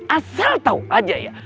asal tau aja ya